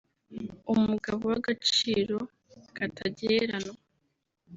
umugabo w’agaciro katagereranywa